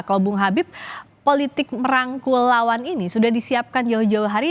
kalau bung habib politik merangkul lawan ini sudah disiapkan jauh jauh hari